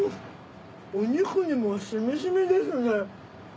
お肉にもしみしみですね。